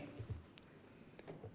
không phải chính mình